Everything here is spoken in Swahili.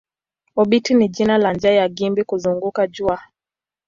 Obiti ni jina la njia ya gimba kuzunguka jua.